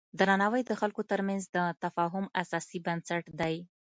درناوی د خلکو ترمنځ د تفاهم اساسي بنسټ دی.